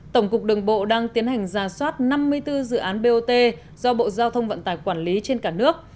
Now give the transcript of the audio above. tổng cục đường bộ đang tiến hành ra soát năm mươi bốn dự án bot do bộ giao thông vận tải quản lý trên cả nước